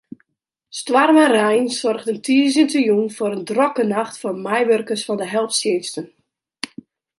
Stoarm en rein soargen tiisdeitejûn foar in drokke nacht foar meiwurkers fan de helptsjinsten.